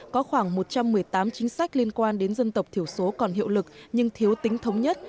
có khoảng một trăm một mươi tám chính sách liên quan đến dân tộc thiểu số còn hiệu lực nhưng thiếu tính thống nhất